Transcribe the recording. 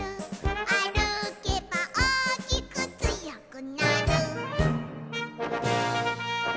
「あるけばおおきくつよくなる」